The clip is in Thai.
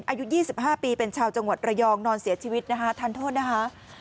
อายุ๒๕ปีเป็นชาวจังหวัดระยองนอนเสียชีวิตนะคะทานโทษนะคะ